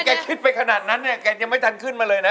แกคิดไปขนาดนั้นแกยังเราไม่ทันขึ้นมาเลยนะ